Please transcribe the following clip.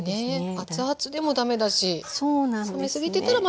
熱々でも駄目だし冷めすぎてたらまあちょっと。